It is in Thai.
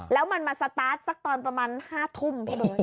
แล้วมันมาสตาร์ทสักตอนประมาณ๕ทุ่ม